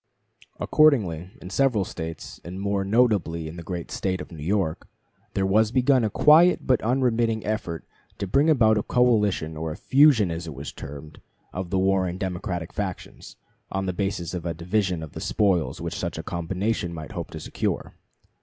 Accordingly, in several States, and more notably in the great State of New York, there was begun a quiet but unremitting effort to bring about a coalition or "fusion," as it was termed, of the warring Democratic factions, on the basis of a division of the spoils which such a combination might hope to secure.